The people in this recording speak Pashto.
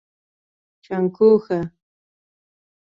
🐸 چنګوښه